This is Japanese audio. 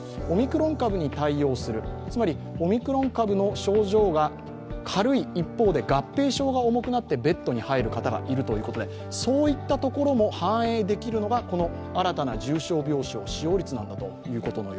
オミクロン株に対応する、オミクロン株の症状が軽い一方で合併症が重くなってベッドに入る方がいるということで、そういったところも反映できるのが新たな重症病床使用率だと。